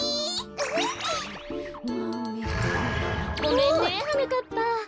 ごめんねはなかっぱ。